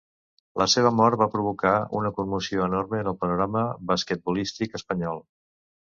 La seva mort va provocar una commoció enorme en el panorama basquetbolístic espanyol.